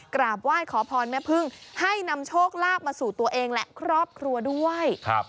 กราบไหว้ขอพรแม่พึ่งให้นำโชคลาภมาสู่ตัวเองและครอบครัวด้วย